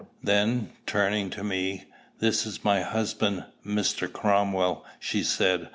Then, turning to me, "This is my husband, Mr. Cromwell," she said.